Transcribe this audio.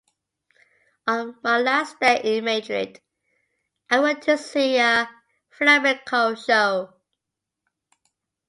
On my last day in Madrid, I went to see a Flamenco show.